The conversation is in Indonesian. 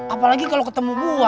apalagi kalo ketemu gua